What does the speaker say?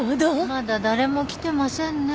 まだ誰も来てませんね。